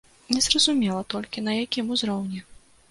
Незразумела толькі, на якім узроўні.